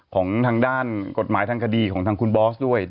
ของทางด้านกฎหมายทางคดีของทางคุณบอสด้วย